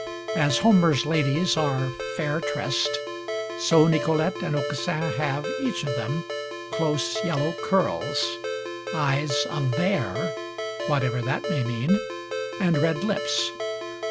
As Homer's ladies are "fair tressed," so Nicolete and Aucassin have, each of them, close yellow curls, eyes of vair (whatever that may mean), and red lips.